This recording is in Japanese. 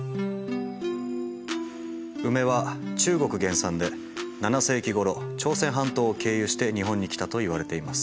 ウメは中国原産で７世紀ごろ朝鮮半島を経由して日本に来たといわれています。